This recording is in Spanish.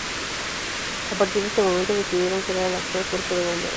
A partir de este momento, decidieron crear el actual cuerpo de bomberos.